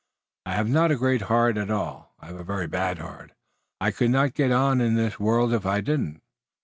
I haf not a great heart at all. I haf a very bad heart. I could not get on in this world if I didn't."